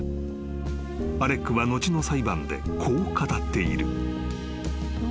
［アレックは後の裁判でこう語っている］